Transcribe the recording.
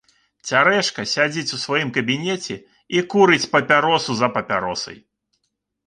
Цярэшка сядзіць у сваім кабінеце і курыць папяросу за папяросай.